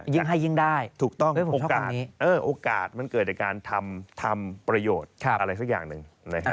ยิงให้ยิงได้โอกาสมันเกิดในการทำประโยชน์อะไรสักอย่างหนึ่ง